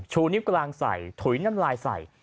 ชูนิ้วกลางใส่ถุยน้ำลายใส่